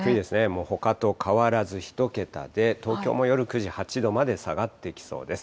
もうほかと変わらず１桁で、東京も夜９時、８度まで下がっていきそうです。